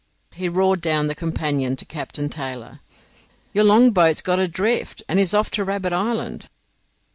He roared down the companion to Captain Taylor, "Your longboat's got adrift, and is off to Rabbit Island."